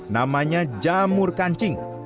namanya jamur kancing